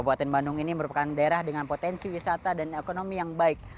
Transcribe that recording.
kabupaten bandung ini merupakan daerah dengan potensi wisata dan ekonomi yang baik